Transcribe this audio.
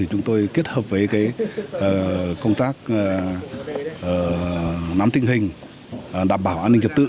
chúng tôi kết hợp với công tác nắm tình hình đảm bảo an ninh trật tự